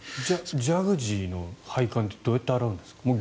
ジャグジーの配管ってどうやって洗うんですか？